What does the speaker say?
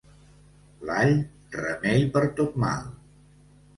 L'all, remei per tot mal.